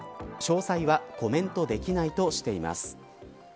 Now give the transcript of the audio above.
詳細はコメントできないとしています。